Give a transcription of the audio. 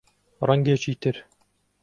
ڕەنگێکی تر